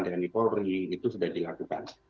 tni polri itu sudah dilakukan